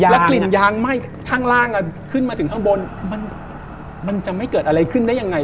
กลิ่นยางไหม้ข้างล่างขึ้นมาถึงข้างบนมันจะไม่เกิดอะไรขึ้นได้ยังไง